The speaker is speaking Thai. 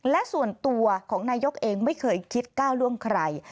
และส่วนตัวของนายกเองไม่เคยคิดก้าวล่วงใคร